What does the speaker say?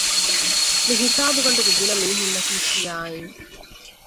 މިހިސާބުގަނޑުގެ ގިނަ މީހުންނަކީ ޝިޔަޢީން